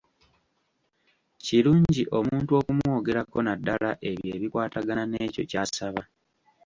Kirungi omuntu okumwogerako naddala ebyo ebikwatagana n'ekyo ky'asaba.